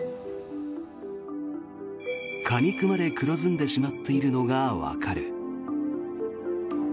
果肉まで黒ずんでしまっているのがわかる。